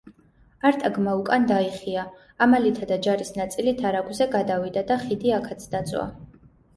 არტაგმა უკან დაიხია, ამალითა და ჯარის ნაწილით არაგვზე გადავიდა და ხიდი აქაც დაწვა.